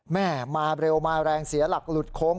แม่มาเร็วมาแรงเสียหลักหลุดโค้ง